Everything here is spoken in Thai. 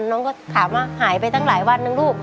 น้องก็ถามว่าหายไปตั้งหลายวันนะลูก